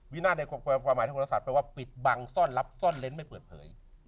วินาทในความหมายโฮลศาสตร์แปลว่าปิดบังซ่อนลับซ่อนเล้นไม่เปิดเผย